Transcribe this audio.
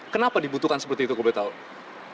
kenapa dibutuhkan seperti itu keputauan